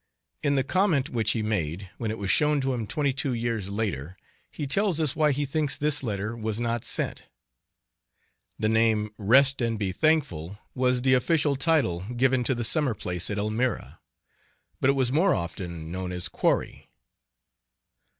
In the comment which he made, when it was shown to him twenty two years later, he tells us why he thinks this letter was not sent. The name, "Rest and be Thankful," was the official title given to the summer place at Elmira, but it was more often known as "Quarry."